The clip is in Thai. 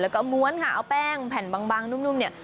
แล้วก็ม้วนค่ะเอาแป้งแผ่นบางนุ่มเนี่ย